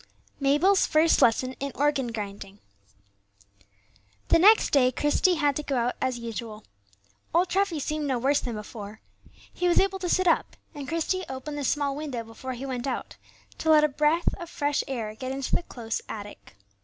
MABEL'S FIRST LESSON IN ORGAN GRINDING. The next day Christie had to go out as usual. Old Treffy seemed no worse than before, he was able to sit up, and Christie opened the small window before he went out to let a breath of fresh air into the close attic.